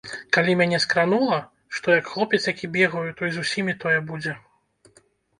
Калі мяне скранула, што, як хлопец які, бегаю, то і з усімі тое будзе.